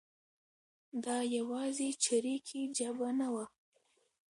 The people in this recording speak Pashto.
دا یوازې چریکي جبهه نه وه.